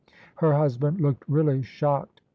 Her husband looked really shocked.